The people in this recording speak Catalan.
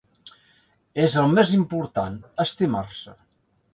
És el més important, estimar-se!